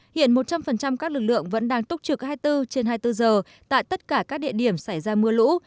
hiện một trăm linh các lực lượng vẫn đang túc trực hai mươi bốn trên hai mươi bốn giờ tại tất cả các địa điểm xảy ra mưa lũ